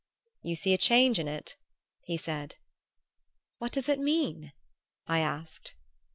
"You see a change in it?" he said. "What does it mean?" I asked.